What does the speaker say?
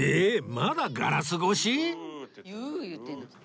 まだガラス越し？